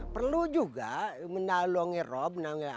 perlu juga menalurkan